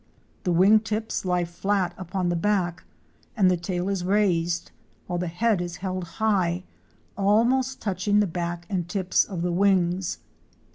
The wing tips he flat upon the back, and the tail is raised, while the head is held high, almost touching the back and tips of the wings.